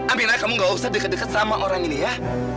ambillah kamu gak usah deket deket sama orang ini ya